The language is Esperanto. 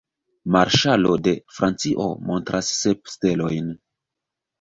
Marŝalo de Francio montras sep stelojn.